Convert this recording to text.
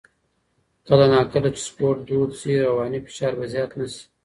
کله نا کله چې سپورت دود شي، رواني فشار به زیات نه شي.